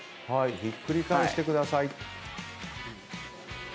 ひっくり返してください。